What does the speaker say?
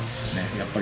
やっぱり。